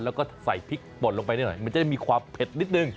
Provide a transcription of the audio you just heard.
แล้วก็ใส่พริกป่นลงไปนิดหน่อยมันจะมีความเผ็ดนิดนึง